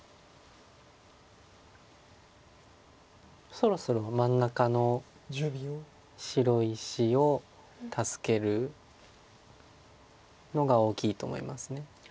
そろそろ真ん中の白石を助けるのが大きいと思います。